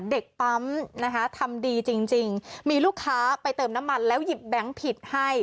เด็กปั๊มนะคะทำดีจริงมีลูกค้าไปเติมน้ำมันแล้วหยิบแบงค์ผิดให้